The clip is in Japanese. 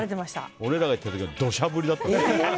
俺らが行った時は土砂降りだった。